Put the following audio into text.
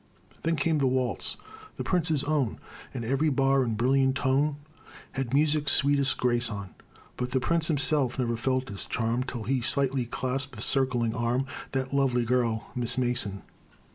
Then came the waltz the Prince's Own And every bar and brilliant tone Had music's sweetest grace on; But the prince himself ne'er felt its charm Till he slightly clasped, with circling arm, That lovely girl, Miss Mason.